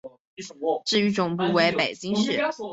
至于总部为北京市。